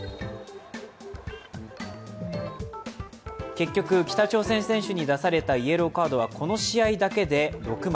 結局、北朝鮮選手に出されたイエローカードはこの試合だけで６枚。